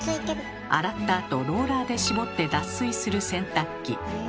洗ったあとローラーで絞って脱水する洗濯機。